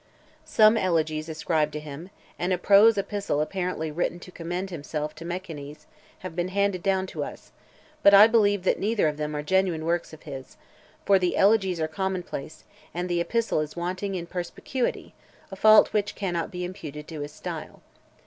Some Elegies ascribed to him, and a prose Epistle apparently written to commend himself to Mecaenas, have been handed down to us; but I believe that neither of them are genuine works of his; for the Elegies are commonplace, and the Epistle is wanting in perspicuity, a fault which cannot be imputed to his style.